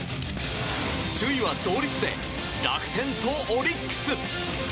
首位は同率で楽天とオリックス。